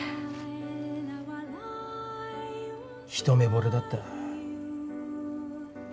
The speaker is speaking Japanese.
一目ぼれだった。